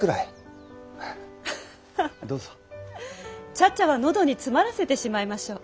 茶々は喉に詰まらせてしまいましょう。